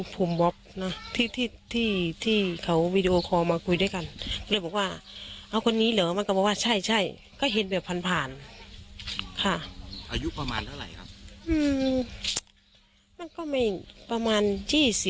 ต้องเกี่ยวกับต้นหรือเลย